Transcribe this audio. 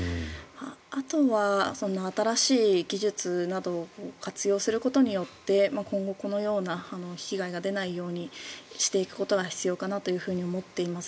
あとは新しい技術などを活用することによって今後、このような被害が出ないようにしていくことが必要かなと思っています。